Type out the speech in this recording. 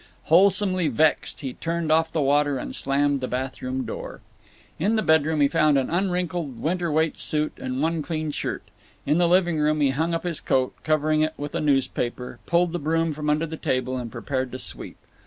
Wholesomely vexed, he turned off the water and slammed the bathroom door. In the bedroom he found an unwrinkled winter weight suit and one clean shirt. In the living room he hung up his coat, covering it with a newspaper, pulled the broom from under the table, and prepared to sweep.